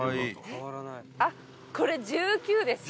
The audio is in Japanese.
あっこれ１９です。